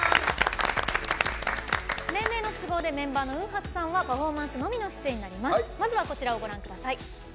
年齢の都合でメンバーのＷＯＯＮＨＡＫさんはパフォーマンスのみの出演となります。